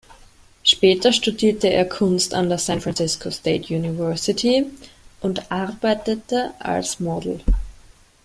Später studierte er Kunst an der San Francisco State University und arbeitete als Model.